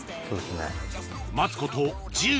そうですね。